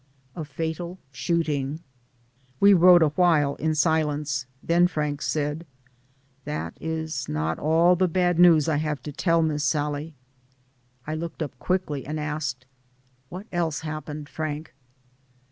A FATAL SHOOTING. We rode a while in silence, then Frank said, "That is not all the bad news I have to tell. Miss Sallie," I looked up quickly and asked, "What else has happened, Frank?"